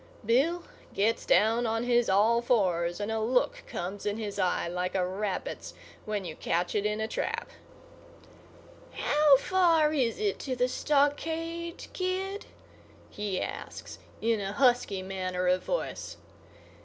Bill gets down on his all fours, and a look comes in his eye like a rabbit's when you catch it in a trap. "How far is it to the stockade, kid?" he asks, in a husky manner of voice.